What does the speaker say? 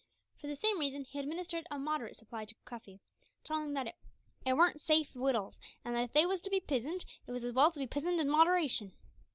For the same reason he administered a moderate supply to Cuffy, telling him that "it warn't safe wittles, an' that if they was to be pisoned, it was as well to be pisoned in moderation."